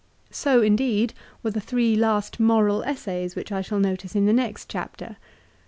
So, indeed, were the three last moral essays which I shall notice in the next chapter.